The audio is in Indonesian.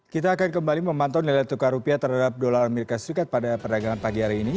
kita akan kembali memantau nilai tukar rupiah terhadap dolar as pada perdagangan pagi hari ini